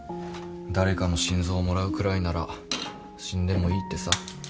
誰かの心臓をもらうくらいなら死んでもいいってさ。